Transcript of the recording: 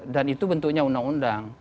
dan itu bentuknya undang undang